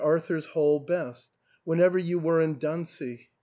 ARTHUR'S HALL. 323 whenever you were in Dantzic.